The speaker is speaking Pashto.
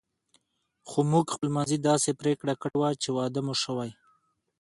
خو موږ خپل منځي داسې پرېکړه کړې وه چې واده مو شوی.